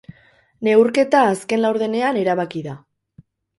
Neurketa azken laurdenean erabaki da.